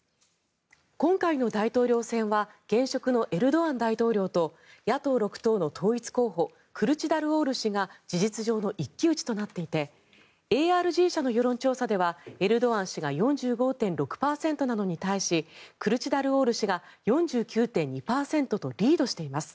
今回の大統領選は現職のエルドアン大統領と野党６党の統一候補クルチダルオール氏が事実上の一騎打ちとなっていてＡＲ−Ｇ社の世論調査ではエルドアン氏が４５．６％なのに対しクルチダルオール氏が４９．２％とリードしています。